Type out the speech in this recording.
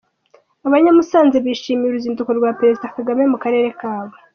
Abanyamusanze bishimiye uruzinduko rwa Perezida Kagame mu karere kabo.